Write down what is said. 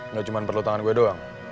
gak cuma perlu tangan gue doang